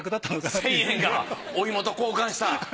１，０００円がお芋と交換した。